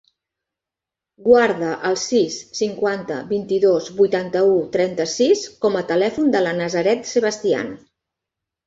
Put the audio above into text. Guarda el sis, cinquanta, vint-i-dos, vuitanta-u, trenta-sis com a telèfon de la Nazaret Sebastian.